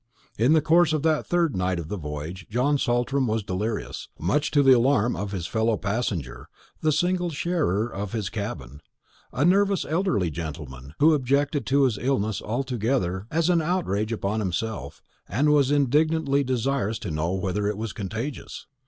In the course of that third night of the voyage John Saltram was delirious, much to the alarm of his fellow passenger, the single sharer of his cabin, a nervous elderly gentleman, who objected to his illness altogether as an outrage upon himself, and was indignantly desirous to know whether it was contagious.